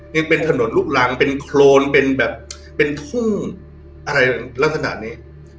ยังเป็นถนนลูกรังเป็นโครนเป็นแบบเป็นทุ่งอะไรลักษณะนี้